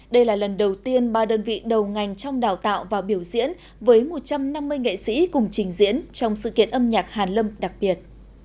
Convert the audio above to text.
đây là lần đầu tiên ba đơn vị đầu ngành trong đào tạo và biểu diễn với một trăm năm mươi nghệ sĩ cùng trình diễn trong sự kiện âm nhạc hàn lâm đặc biệt